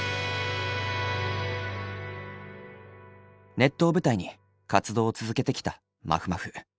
ネットを舞台に活動を続けてきたまふまふ。